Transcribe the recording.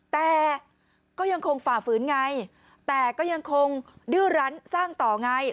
แต่ก็ยังคงฝ่าฝืนไงแต่ก็ยังคงดื้อรั้นสร้างต่อไง